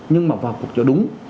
nhưng mà vào cuộc cho đúng